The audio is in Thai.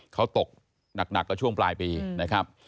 เขาตกหนักก็ช่วงปลายปีนะครับ